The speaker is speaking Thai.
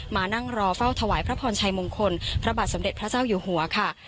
มานั่งรอเฝ้าถวายพระพรชัยมงคลพระบาทสมเด็จพระเจ้าอยู่หัวค่ะ